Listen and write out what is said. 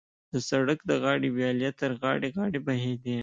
د سړک د غاړې ویالې تر غاړې غاړې بهېدې.